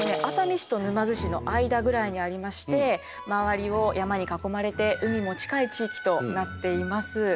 熱海市と沼津市の間ぐらいにありまして周りを山に囲まれて海も近い地域となっています。